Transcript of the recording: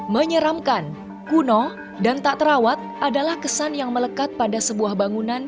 menyeramkan kuno dan tak terawat adalah kesan yang melekat pada sebuah bangunan